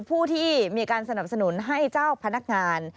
ผู้ที่มีการสนับสนุนให้เจ้าพนักงาน